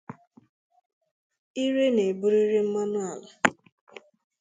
ire na-eburịrị mmanụ ala.